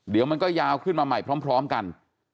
เดี๋ยวมันก็ยาวขึ้นมาใหม่พร้อมกัน